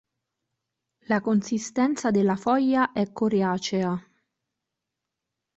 La consistenza della foglia è coriacea.